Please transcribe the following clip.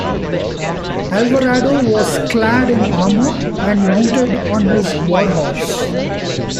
Alvarado was clad in armor and mounted on his warhorse.